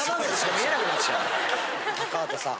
高畑さん